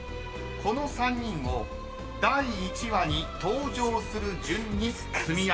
［この３人を第１話に登場する順に積み上げろ］